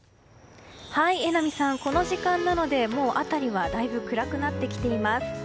榎並さん、この時間なのでもう辺りはだいぶ暗くなってきています。